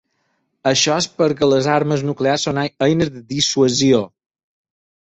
Això és perquè les armes nuclears són eines de dissuasió.